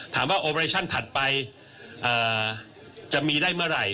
ถามว่าโอเบอร์ไลชั่นถัดไปจะมีได้เมื่อไหร่